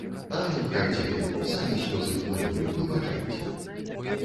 А няхай цябе, самі слёзы хлынулі, выбачайце.